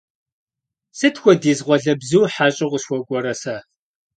Сыт хуэдиз къуалэбзу хьэщӀэу къысхуэкӀуэрэ сэ!